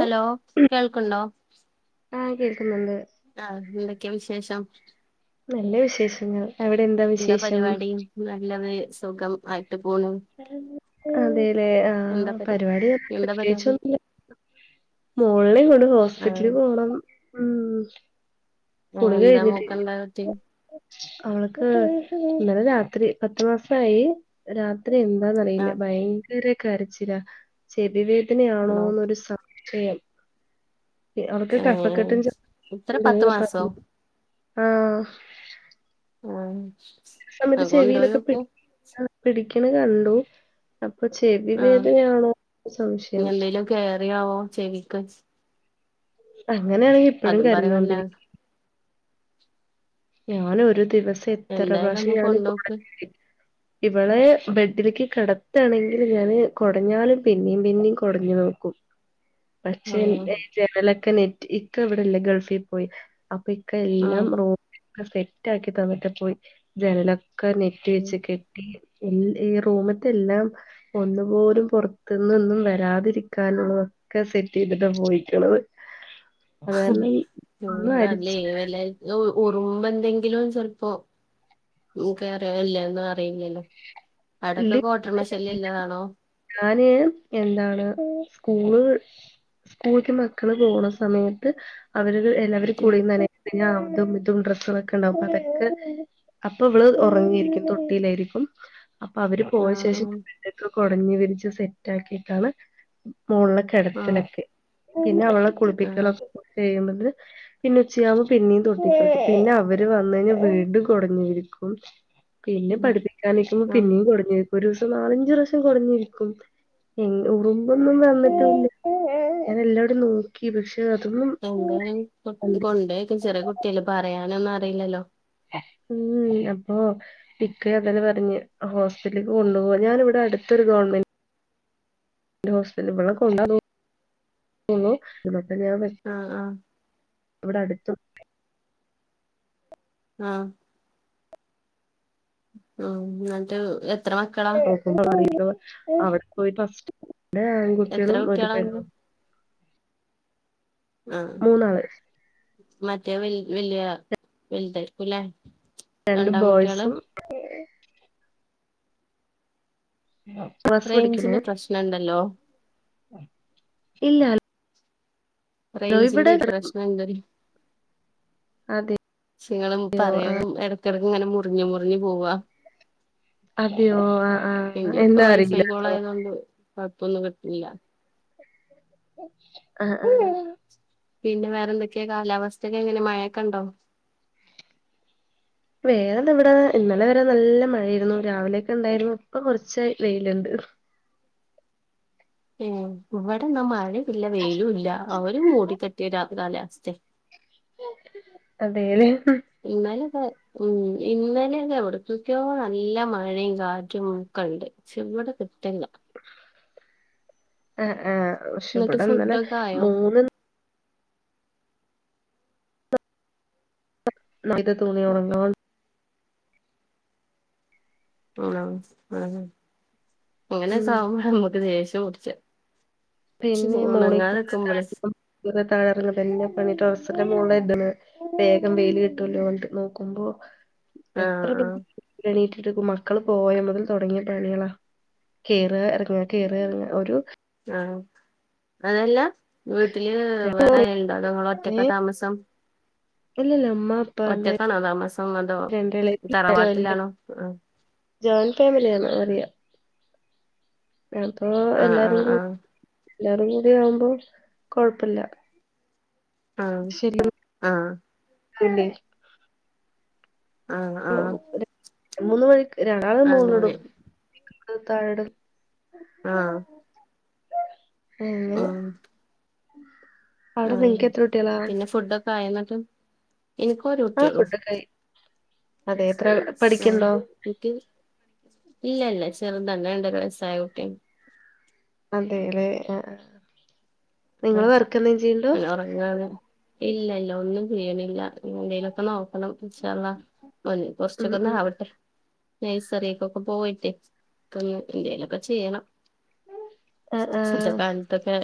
Hello കേൾക്കുണ്ടോ ആ കേൾക്കുന്നുണ്ട് ആ എന്തൊക്കെയാ വിശേഷം നല്ല വിശേഷങ്ങൾ അവിടെ എന്താ വിശേഷം പരിപാടി നല്ലത് സുഖം ആയിട്ട് പോണു അതേല്ലേ ആ എന്താ പരി പരിപാടി എന്താ പരിപാടി പ്രത്യേകിച്ചൊന്നും മോളിനെയും കൊണ്ട് ആഹ് ഹോസ്പിറ്റലി പോണം ഉം ആ കുളി എന്താ മോക്ക കഴിഞ്ഞിട്ടില്ല ഇണ്ടായ പറ്റേ അവൾക്ക് ഇന്നലെ രാത്രി പത്തു മാസമായി. എന്താന്ന്റിയില്ല ആഹ് ഭയങ്കര കരച്ചില ചെവി ആണോ വേദനയാണോന്നൊരു സം--. [unintelligible] അവക്ക് ഏഹ് കഫക്കെട്ടും ചോ എത്ര പത്ത് മാസോ [unintelligible] ആ ആ സമയത്ത് ചെവിയിലൊക്കെ പി പിടിക്കണ കണ്ടു. ഇപ്പൊ ചെവി ആഹ് വേദനയാണോ സംശയം. ക്കസ്. അങ്ങനെയാണെങ്കി ഇപ്പഴും പറയല്ല കരഞ്ഞോണ്ടിരിക്കും ഞാന ഒരു ദിവസം എത്ര എന്തായാലും ഒന്ന് പ്രാശ്യം ഞാനും. കൊണ്ടോക്ക് [inaudible] ഇവളെ ബെഡിലിക്ക് കെടത്താണെങ്കിൽ ഞാന് കൊടഞ്ഞാലും പിന്നിം പിന്നിം കൊടഞ്ഞു നോക്കും. ഉഷ് പക്ഷേ ആഹ് ഇ ജനലൊക്കെ നെറ്റ് ഇക്ക ഇവിടെല ഗൾഫി പോയി അപ്പൊ. ഇക്ക എല്ലാം ആഹ് റൂംക്കെ സെറ്റ് ആക്കി തന്നട്ട പോയി ജനലൊക്ക് ക നെറ്റവെച് കെട്ടി. ഈ റൂമത്തെ എല്ലാം ഒന്നു പോലും പുറത്തുന്നൊന്നും വരാതിരിക്കാനുള്ള. ക്കെ സെറ്റ് ചെയ്തിട്ടാ പോയിക്കണത്. അത് കാരണം ഉ ഒന്നും അല്ലേ അരിച്ച് വല്ലക്കും. ഉറുമ്പ് എന്തെങ്കിലും ചെലപ്പോ കേറിയോ ഇല്ലോന്ന് അറിയില്ലല്ലോ. അടക്കെ കോട്ടര്മശല്ല്യ ഇല്ലതാണോ. എ എന്താണ് സ്കൂൾ. സ്കൂൾക്ക് മക്കള് പോണ സമയത്ത് അവര് എല്ലാവരും ഉം കുളിന്നാനൊക്കെ ഇതും ഇതും ഡ്രസ്സുകളൊക്കെ ഉണ്ടാവകും അതൊക്കെ അപ്പൊ ഇവള് ഉറങ്ങിയിരിക്കും തൊട്ടിയിലായിരിക്കും. അപ്പൊ അവര് പോയ ആഹ് ശേഷം ഉം ഇത് കൊടഞ്ഞു വിരിച്ച് സെറ്റ് ആക്കിട്ടാണ്. മോളിനെ ആഹ് കേടത്തലൊക്കെ പിന്നെ അവളെ ആഹ് കുളിപ്പിക്കലൊക്കെ കഴിമ്പതി പിന്നെ ഉച്ചയാവുമ്പോ പിന്നെയും തൊട്ടിക്കിട്ത് പിന്നെ അവര് വന്ന കഴിഞ വീണ്ടും കുടഞ്ഞിരിക്കും. പിന്നെ ഉം പഠിപ്പിക്കാനിക്കുമ്പോ ആഹ് പിന്നെയും കൊടഞ്ഞ ഒരുസം നാലഞ്ച റഷ്യം കൊടഞ്ഞിരിക്കും എ ഉറുമ്പൊന്നും ഉം വന്നിട്ടന്ന. ഞാൻ എല്ലാഡിം നോക്കി പക്ഷെ. അതൊന്നും എന്തേലും കൊണ്ട്ക്ക ചെറിയ കുട്ടിയല്ല പറയാനൊന്നും അറിയില്ലല്ലോ. ഉം അപ്പൊ ഇക്ക അതലെ പറഞ്ഞ ഹോസറ്റിറ്റലിലക്ക് കൊണ്ടു പോ ഞാൻ ഇവിടെ അടുത്ത്. ഗവൺമെന്റ്. ഹോസ്റ്റലളക്കെണ്ടുന്നു. ആഹ് ആഹ് ഇവിടെ അടുത്തു. ആഹ് ഉ ന്നട്ട് [unintelligible] അവിടെ പോയി ഫസ്റ്റ്. ഇടെ എത്ര ആൺകുട്ടികളും ഒരു കുട്ടികളാ ഇങ്ങക്ക് പെണ്ണും. ആഹ് മൂന്നാള്. മറ്റേ വിൽ വില്യ വിൽതാർകുലെ രണ്ട് ബോയ്സും. സ് പടിക്കുന്നു റേഞ്ചിന്റെ പ്രശ്നണ്ടല്ലോ ഇല്ല. ഹലോ ഇവിടെ റേഞ്ച്ൻ്റെ ഈ പ്രശ്ന ഇണ്ട്. അതെ ങ്ങളും പറയനു എടക്കിടക്ക് ഇങ്ങനെ മുറിഞ്ഞ മുറിഞ്ഞു പോവാ. അതെയോ ആ ആ എന്താ എന്റെപ്പ വൈ ഫൈ അറിയില്ലട്ടോ കോളായതോണ്ട് കൊയപ്പ് ഒന്നും കിട്ടില്ല. അഹ ആഹ് പിന്നെ വേറെന്തൊക്കെയാ കാലാവസ്ഥയക്കെ എങ്ങനെ മഴയൊക്കെ ണ്ടോ. വേറെന്ത് ഇവിടെ ഇന്നലെ വരെ നല്ല മഴയായിരുന്നു. രാവിലെയൊക്കെ ണ്ടായിരുന്നു. ഇപ്പൊ കുറച്ച് വെയിലിണ്ട്. [unintelligible] ഏ ഇവിടെന്നാ മഴയില്ല വെയിലുലാ അവര് മൂടിക്കട്ടി രാത് കാലാവസ്ഥയാ അതെല്ലേ. ഇന്നാലും ഉം ഇന്നലെക്കെ എവിടുന്നക്കെയോ നല്ല മഴീം കാറ്റും ഒക്കണ്ട് ച്ചോ ഇവിടെ കിട്ടില്ല. എന്നിട്ട് ഫുഡൊക്കെ ആയോ? [unintelligible] ന [unintelligible] ആ ആ അങ്ങനെ ഉം സകുമ്പോഴാ നമ്മക്ക് ദേഷ്യം പുടിച്ചാ പിന്നെ മോളിക്ടണ തഴത്തിക്കും താഴെ ഇറങ്ങന്നെ പണി. ഡ്രസ്സ് ക്ക മൊളിലാ ഇടിണ് വേഗം വെയില് കിട്ടുല്ലോ പറഞ്ഞിട്ട് നോക്കുമ്പോ ആഹ് എത്ര ആഹ് [unintelligible] എണിറ്റ്? മക്കള് പോയ മുതൽ തുടങ്ങിയ പണികളാ കേറാ എറങ്ങാ കേറാ ഇറങ്ങ ഒരു ആ അതല്ല വീട്ടില് വേറാരെലുണ്ടോ അതോ ങ്ങള് ഒറ്റക്കാ താമസം. ഇല്ലില്ല ഉമ്മ പ്പാണ്ട് ഒറ്റക്കാണോ താമസം അതോ രണ്ട് ഇളയിച്ചി തറവാട്ടിലാണോ? ആഹ് ജോയിന്റ് ഫാമിലിയാണോ അറിയ ഞപ്പോ ആഹ് എല്ലാരും കൂ, ആഹ് എല്ലാരുംകൂടി ആവുമ്പോ കൊഴപ്പില്ല. ആ ആ പിന്നെ ആ ആഹ് മൂന്ന് മണിക്ക് രണ്ടാ അങ്ങനെ മൂന്നിടുംപിന്നെ താഴ ഇടും ആഹ് [unintelligible] ആ അവിടെ നിങ്ങക്ക് എത്ര കുട്ടികളാ പിന്നെ ഫുഡൊക്കെ ആയൊന്നിട്ട്, എനിക്ക് ഒരു ആ കുട്ടിയേള്ളു. ഫുഡൊക്കെ ആയി അതെ എത്ര പഠിക്ക്ണ്ടോ? എനിക്ക് ഇല്ല ഇല്ല ചെറുതാണ് രണ്ടര വയസായ കുട്ടി. അതേല്ലേ? ആ അ നിങ്ങള് വർക്ക് എന്തേം ചെയ്യണ്ടോ അല്ല ഉറങ്ങാണ്. ഇല്ല ഇ ഒന്നും ചെയ്യ്ണില്ല. എന്തേലൊക്കെ നോക്കണം. യാഅള്ളാ ഓന് ഉം ഉം കൊറച്ചൊക്കൊന്നാവട്ടെ. നൈസറിക്കൊക്കെ പോയിട്ടേ. ക്കൊ എന്തെലൊക്കെ ചെയ്യണം. ആ സ് ആ സ് സ്ഥാനത്തൊക്കെ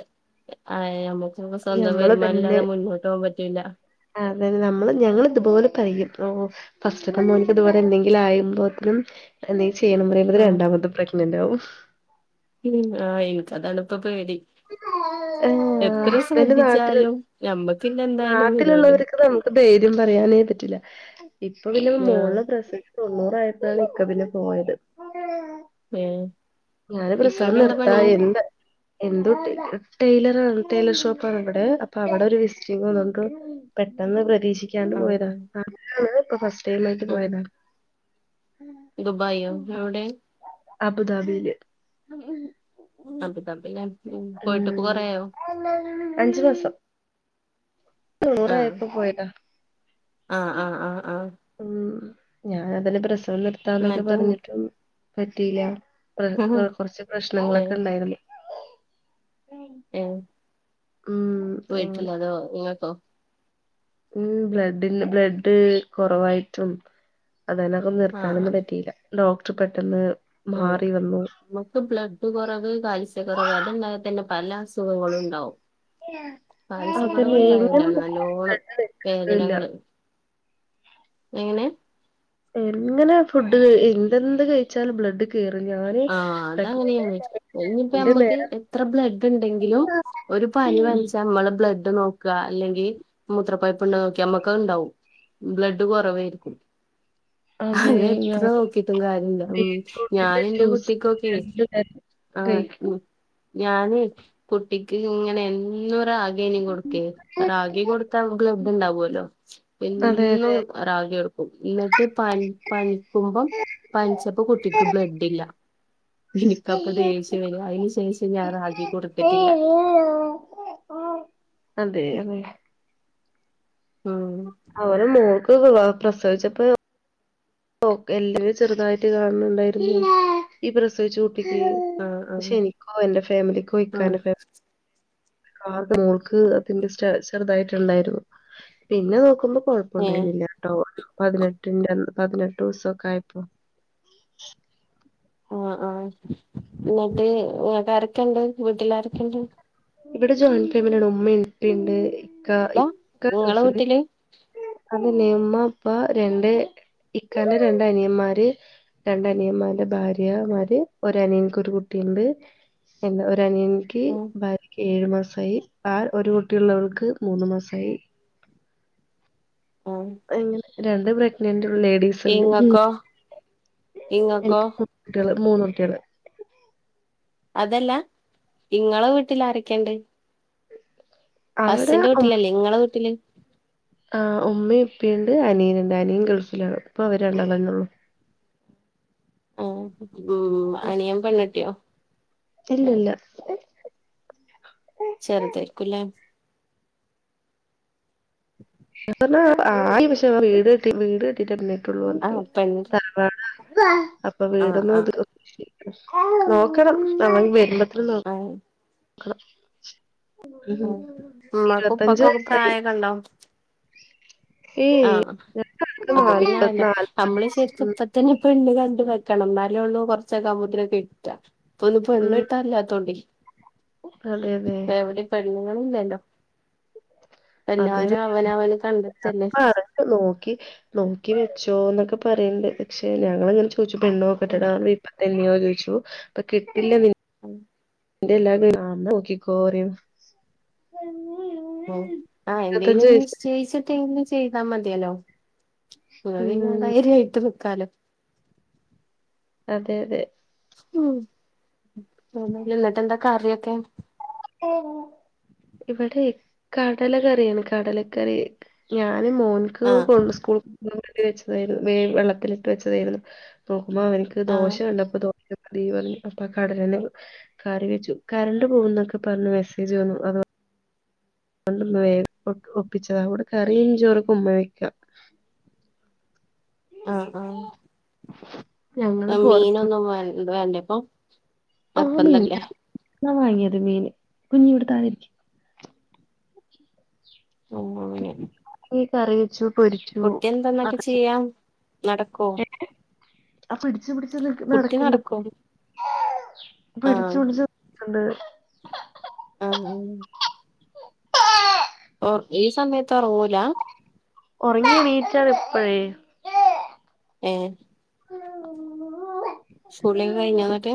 ആ അയമുക്ക് പൊ സ്വന്തം ഞമ്മള് വരുമാനല്ലാതെ മുന്നോട്ട് പോകൻ പറ്റൂല്ല. അതെന്നെ നമ്മള് ഞങ്ങള് ഇതുപോലെ പയും ഓ ഫസ്റ്റ്ത്തെ മോനക്ക് ഇതുപോലെ എന്തെങ്കിലു ആയുമ്പോത്തിനും എന്തെ ചെയ്യണം പറയുമ്പത്തിനും ആഹ് രണ്ടാമത്തെ പ്രഗ്നൻ്റ ആവും. ഉം ആ എനിക്ക് അതാണ്പ്പൊ പേടി. ഏഹ് എത്ര ഹസ്ബൻ്റ നാട്ടിൽ. ശ്രദ്ധിച്ചാലും ഞമ്മക്കില്ല എന്തായാലും വരുല്ലോ നാട്ടിലുള്ളവർക്ക് നമുക്ക് ധൈര്യം പറയാനേ പറ്റില്ല ഇപ്പൊ പിന്നെ ആഹ് മോളിനെ പ്രസവിച്ച് തൊണ്ണൂറയപ്പഴാണ് ഇക്ക പിന്നെ പോയത്. ഏഹ് ഞാന് പ്രസവം ഇക്കാക്ക് എന്താ പണി നിർത്തായി എന്താ എന്തോ ടെ ടെയ്‌ലറാണ് ടെയ്ലർ ഷോപ്പാണ് ഇവിടെ അപ്പൊ അവിടെ ഒരു വിസിറ്റിംഗ് വന്നൊണ്ട്. പെട്ടെന്ന് പ്രതീക്ഷിക്കാണ്ട് ആഹ് പോയതാ. ആഹ് ഇപ്പോ ഫസ്റ്റ് ടൈം ആയിട്ട് പോയതാ. ദുബായോ. എവിടെ? അബുദാബിയില്. അബുദാബിയിലാ ഉം പോയിട്ട് ഇപ്പൊ അഞ്, കൊറേയായോ അഞ്ചു മാസം. ആഹ് തൊണൂറായപ്പോ പോയതാ. ആഹ് ആഹ് ആഹ് ആഹ് ഉം ഞാൻ അതല്ലെ പ്രസവം നിർത്താന്നൊക്കെ എന്നിട്ട് പറഞ്ഞിട്ടും പറ്റിയില്ല. പ്രെ പ്രെ കൊർച്ച് പ്രശ്നങ്ങളൊക്കെണ്ടായിരുന്നു എ ഉം അങ്ങനെ പോയിട്ട്ള്ളതോ ങ്ങക്കോ ഉം ബ്ലഡി ബ്ലഡ് കുറവായിട്ടും അത്കാരണൊന്ന് നിർത്താനൊന്നും പറ്റിയില്ല ഡോക്ടർ പെട്ടെന്ന് ആ മാറി വന്നു മക്ക് ബ്ലഡ് കുറവ് കാൽസ്യ കുറവ് അതല്ലാതെ തന്നെ പല അസുഖങ്ങളും ണ്ടാവും പായസ അതല്ലേ എങ്ങനെ കുറവ്ണ്ടായലാണ് നല്ലോണം ബ്ലഡ് ഇല്ല വേദനകള് എങ്ങനെ എങ്ങനാ ഫുഡ് എന്തെന്ത് കഴിച്ചാലും ബ്ലഡ് കേറു ആ അതങ്ങനെയാണ് ഇനിപ്പോ നമ്മക്ക് നേരം എത്ര ബ്ലഡ്ണ്ടെങ്കിലും ഒരു പ ഉം ൽചാ മ്മള് ബ്ലഡ് നോക്കല്ലെങ്കിൽ മൂത്രപ്പഴ്പ്പുണ്ടോ നോക്ക്യാ മ്മക്ക്തുണ്ടാവും ബ്ലഡ് കുറവായിരിക്കും അതെ അതെത്ര ഞാൻ നോക്കിട്ടും കാര്യല്ല മി ബീറ്റ്റൂട്ടിന്റെ ഞന് ന്റെ ജ്യൂസ് കുട്ടിക്കൊക്കെ രണ്ട് നേരം ആ കഴിക്കും ഉം ഞാന് കുട്ടിക്ക്ങ്ങനെ എന്നോരാഗ്യയ്നും കൊടുക്കല് രാ ഗി കൊടു താമ്ക്ക് ലഭ്യണ്ടാവല്ലോ അതെ എന്നും അതെ രാഗിയ കൊടുക്ക ന്നിട്ട് പ പനിക്കുമ്പം പനിച്ചപ്പോ കുട്ടിക്ക് ബ്ലഡില്ല എനിക്കപ്പൊ ദേഷ്യവര അതിന് ശേഷം ഞാൻ റാഗി കൊടുത്തിട്ടില്ല അതെ അതെ ആം ഇപ്പ പ്രസവിച്ചപ്പോ ഓ എല്ലേ ചെറുതായിട്ട് കാണുന്നുണ്ടായിരുന്നു ഈ പ്രസവിച്ചുട് ആഹ് പക്ഷെ ആഹ് എനിക്കോ എന്റെ ഫാമിലിക്കോ ആഹ് ഇക്കാന്റെ ഫാമി കാ മോൾക്ക് അതിന്റെ ചെറുതായിട്ടുണ്ടായിരുന്നു പിന്നെ നോക്കുമ്പോ പ്പം ഏഹ് കൊയപ്പൊന്നില്ലട്ടോ പതിനെട്ടിന്റന്ന് പതിനെട്ട് ദിവസൊക്കെ ആയപ്പോ ആ ആ ന്നിട്ട് ങ്ങെക്കാരൊക്കെണ്ട് വീട്ടിലാരൊക്കെണ്ട് ഇവിടെ ജോയിൻ ഫാമിലിയാണ് ഉമ്മ പ്പണ്ട് ഇക്ക അല്ല ഇക്ക നിങ്ങളെ ഗൾഫില് വീട്ടില് അതെല്ലെ ഉമ്മ പ്പാ രണ്ട് ഇക്കാന്റെ രണ്ടനിയന്മാര് രണ്ടനിയന്മാരുടെ ഭാര്യ മാര് ഒരനിയൻക്കൊരു കുട്ടി ണ്ട്‌ എ ഒരനിയനിക്ക് ഉം ഭാര്യ ഏഴു മാസായി ആ ഒരു കുട്ടിയുള്ളവൾക്ക് മൂന്ന് മാസായി ഉം അങ്ങനെ രണ്ട് പ്രഗ്നനൻഡ് ലേഡീസ്ണ്ട് ഇങ്ങക്കോ ഇങ്ങക്കോ എനിക്കുട്ടികള് മൂന്ന് കുട്ടികള് അതല്ല ഇങ്ങളെ വീട്ടിൽ ആരക്കണ്ട് അവിടെ അസിന്റെ ഉമ്മ വീട്ടിലല്ലേ നിങ്ങളെ വീട്ടില് ആ ഉമ്മയും ഉപ്പയുണ്ട് അനിയനുണ്ട് അനിയൻ ഗൾഫില ഇപ്പൊ അവര്ണ്ടളന്നേള്ളു ആ ഉം അനിയെൻ പെണ്ണ് ട്ട്യോ ഇല്ല ഇല്ല ചെറുതായിരിക്കുംല്ലേ ആ വീ വീട് ട്ടിട്ട് പിന്നീട്ടുള്ളൂ ആഹ് പെണ്ണ് ത അപ്പൊ ആഹ് വീടന്നും ആഹ് ഇ നോക്കണം നമ വരുമ്പ ആ ആഹ് ഉമ്മാക്കും ഉപ്പാക്കൊക്കെ ഇരുപത്തഞ്ചസായി ആ ഞങ്ങൾക്ക് അപ്പൊ പിന്നെ നാല്പത് അയല്ലോ നാല്പത് നമ്മള് ശെരിക്ക്‌പ്പതന്നെ പെണ്ണ് വെക്കണം ന്നാലുംള്ളൂ കുറച്ചൊക്കാ വുമ്പോതിന് കിട്ട ഇപ്പൊന്ന് ഉം പെണ്ണ്ട്ടല്ലാത്തോണ്ടെ അതെ അതെ എവിടെയ് പ്പോ പെണ്ണുകളില്ലേലൊ എല്ലാരും അവനവന് കണ്ടെത്തല്ലേ പറ നോക്കി നോക്കി വെച്ചോ എന്നൊക്കെ പറയണ്ട് പക്ഷെ ഞങ്ങങ്ങനെ ചോ പെണ്ണോകെട്ടടാ ഇപ്പത്തെന്നോ ചോച്ചു കിട്ടില്ല ന്റെ എല്ലാതിനും [unintelligible] നോക്കിക്കോറിം ഓ ആ എന്തെലും നിശ്ചയിച്ചിട്ടെങ്കിലും ചെയ്താ മതിയല്ലോ. ന്നാ പിന്നെ ഉം ധൈര്യമായിട്ട് നിക്കാലൊ അതെ അതെ എന്നിട്ട് എന്താകറിയൊക്കെ? ഇവിടെ കടല കറിയാണ്. കടലക്കറി ഞ ഞാന് മോൻക്ക് ആഹ് കൊ സ്കൂൾ കൊണ്ടവേണ്ടി വെച്ചതായിരുന്നു. വേ വെള്ളത്തിലിട്ട് വെച്ചതായിരുന്നു. പ്പൊ അപ്പം അവനിക്ക് ആഹ് ദോശകണ്ടപ്പ ദോ മതീപർഞ്ഞു അപ്പൊ ആ കടലന്നെ കറിവെച്ചു. കരണ്ട് പോകുന്നൊക്കെ ക്കെപറഞ്ഞു മെസ്സേജ് വന്നു. അതു അതൊണ്ടന്ന് വേ ഒപ്പിച്ചതാ ഓണ്ട് കറീംചോറെകെ ഉമ്മ വെക്ക അ ആ ഞങ്ങള് പൊറത്തു ഇത് വേണ്ടപ്പൊ നിർബന്ധല്ലെ ഞാൻ വാങ്ങിയത് മീന് കുഞ്ഞിവിടെ താഴെ ഇരിക്. അങ്ങനെ കറി വെച്ചു പൊരിച്ചു കുട്ടി എന്തെന്നൊക്കെ ചെയ്യാ നടക്കോ [unintelligible] ആ പിടിച്ച്പിട്ച്ച് നിക് കുട്ടി നടക്കോ നടക്ക്ണ്ട്പ്പ ആഹ് പിടിച്ചു പിട്ച്ച് നടക്കണ്ട്. ആ ഉം. ഓ ഈ സമയത്ത് ഒറങ്ങൂല? ഒറങ്ങിഎണിറ്റാണ് ഇപ്പഴ്. ഏ കുളിയൊക്കെ കഴിഞ്ഞോ ന്നിട്ട്